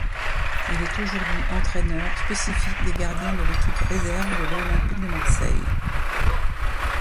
Il est aujourd'hui entraîneur spécifique des gardiens de l'équipe réserve de l'Olympique de Marseille.